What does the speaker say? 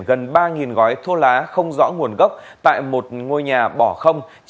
gần ba gói thuốc lá không rõ nguồn gốc tại một ngôi nhà bỏ không